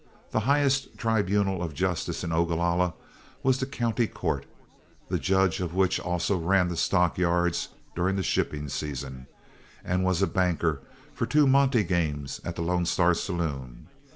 The highest tribunal of justice in Ogalalla was the county court, the judge of which also ran the stock yards during the shipping season, and was banker for two monte games at the Lone Star saloon.